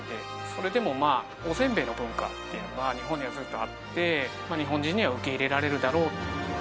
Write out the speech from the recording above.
それでもまあおせんべいの文化っていうのが日本にはずっとあって日本人には受け入れられるだろう。